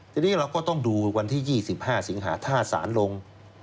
ทีนี้เราก็ต้องดูวันที่๒๕สิงหาถ้าสารลง